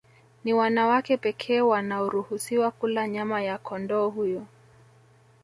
Ni wanawake pekee wanaoruhusiwa kula nyama ya kondoo huyu